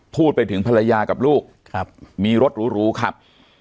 พูดไปถึงภรรยากับลูกครับมีรถหรูขับ